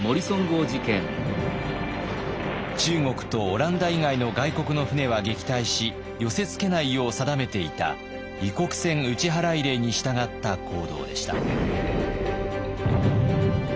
中国とオランダ以外の外国の船は撃退し寄せ付けないよう定めていた異国船打払令に従った行動でした。